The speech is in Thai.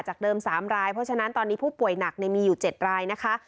เดิม๓รายเพราะฉะนั้นตอนนี้ผู้ป่วยหนักมีอยู่๗รายนะคะ